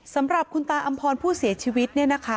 สำหรับขุนตาอำพรพุเสจชีวิต